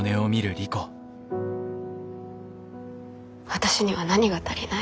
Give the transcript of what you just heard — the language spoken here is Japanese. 私には何が足りない？